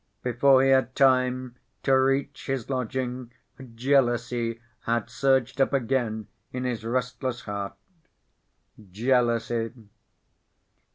Before he had time to reach his lodging, jealousy had surged up again in his restless heart. Jealousy!